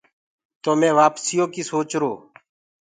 تو مي وآپسيٚ يو ڪيٚ سوچرو۔